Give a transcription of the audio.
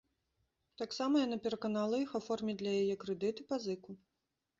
Таксама яна пераканала іх аформіць для яе крэдыт і пазыку.